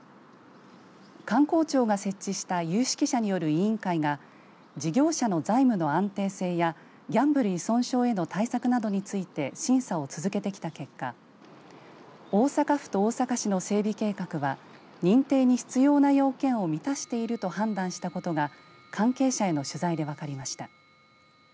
観光庁が設置した有識者による委員会が事業者の財務の安定性やギャンブル依存症への対策などについて審査を続けてきた結果大阪府と大阪市の整備計画は認定に必要な要件を満たしていると判断したことが関係者への取材で分かりました。